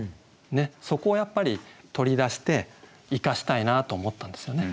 そこをやっぱり取り出して生かしたいなと思ったんですよね。